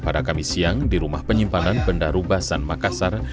pada kamis siang di rumah penyimpanan benda rubasan makassar